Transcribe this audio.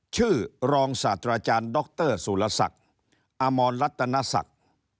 ชื่อรองศาสตราจารย์ดรสุรศักดิ์อมรรัตนศักดิ์